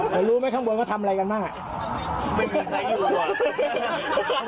แต่รู้ไหมข้างบนเขาทำอะไรกันบ้างอ่ะไม่มีใครอยู่ข้างบน